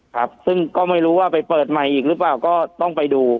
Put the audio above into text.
ครับซึ่งก็ไม่รู้ว่าไปเปิดใหม่อีกหรือเปล่าก็ต้องไปดู